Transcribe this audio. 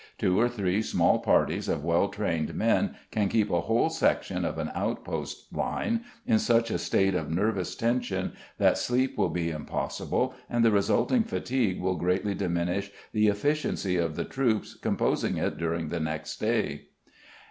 Two or three small parties of well trained men can keep a whole section of an outpost line in such a state of nervous tension that sleep will be impossible, and the resulting fatigue will greatly diminish the efficiency of the troops composing it during the next day.